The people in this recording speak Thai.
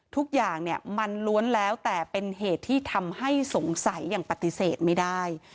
ทุกอย่างเนี่ยมันล้วนแล้วแต่เป็นเหตุที่ทำให้สงสัยอย่างปฏิเสธไม่ได้